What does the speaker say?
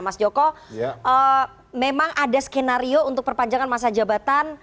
mas joko memang ada skenario untuk perpanjangan masa jabatan